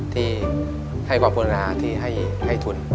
ที่ให้ความพลังงานาทีให้ทุน